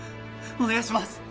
お願いします！